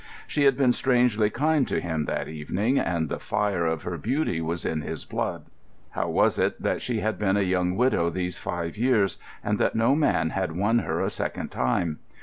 She had been strangely kind to him that evening, and the fire of her beauty was in his blood. How was it that she had been a young widow these five years, and that no man had won her a second time?